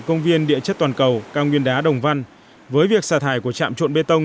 công viên địa chất toàn cầu cao nguyên đá đồng văn với việc xả thải của trạm trộn bê tông